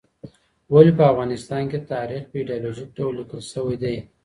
ولې په افغانستان کې تاریخ په ایډیالوژیک ډول لیکل سوی دی؟